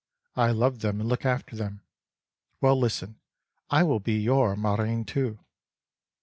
I love them and look after them. Well, listen: I will be your marraine, too."